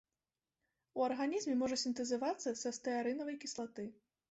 У арганізме можа сінтэзавацца са стэарынавай кіслаты.